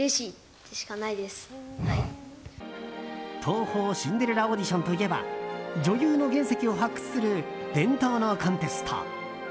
東宝シンデレラオーディションといえば女優の原石を発掘する伝統のコンテスト。